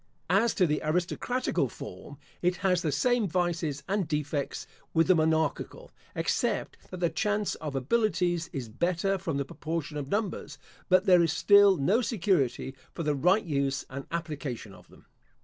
As to the aristocratical form, it has the same vices and defects with the monarchical, except that the chance of abilities is better from the proportion of numbers, but there is still no security for the right use and application of them.